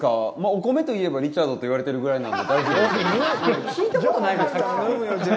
お米といえばリチャードと言われてるぐらいなんで、大丈夫です。